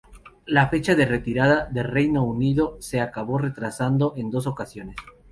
La fecha de retirada de Reino Unido se acabó retrasando en dos ocasiones.